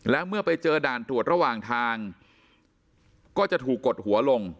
แล้วเมื่อไปเจอด่านตรวจระหว่างทางก็จะถูกกดหัวลง